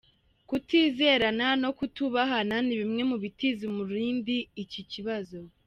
Kutizerana no kutubahana ni bimwe mu bitiza umurindi iki kibazo.